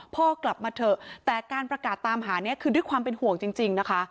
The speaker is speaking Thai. พ่อกลับมาเถอะแต่การประกาศตามหานี้คือด้วยความเป็นห่วงจริงนะคะ